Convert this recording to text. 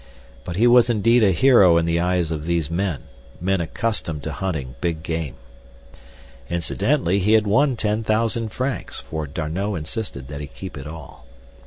But he was indeed a hero in the eyes of these men—men accustomed to hunting big game. Incidentally, he had won ten thousand francs, for D'Arnot insisted that he keep it all.